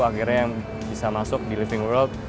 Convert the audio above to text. akhirnya yang bisa masuk di living world